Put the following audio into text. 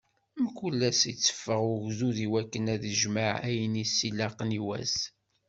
Mkul ass ad itteffeɣ ugdud iwakken ad d-ijmeɛ ayen i s-ilaqen i wass.